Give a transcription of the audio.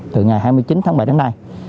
từ ngày hai mươi chín tháng bảy đến nay